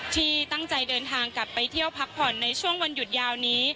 ที่ตั้งใจเดินทางกลับไปเที่ยวพักผ่อนในช่วงวันหยุดยาวนี้